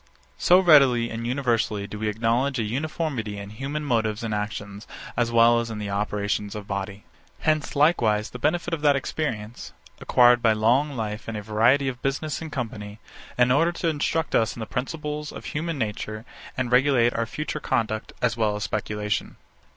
So readily and universally do we acknowledge a uniformity in human motives and actions as well as in the operations of body. Hence likewise the benefit of that experience, acquired by long life and a variety of business and company, in order to instruct us in the principles of human nature, and regulate our future conduct, as well as speculation.